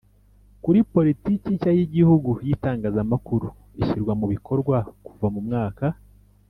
kuri Politiki nshya y Igihugu y itangazamakuru ishyirwa mu bikorwa kuva mu mwaka